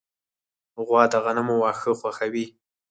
غوا د غنمو واښه خوښوي.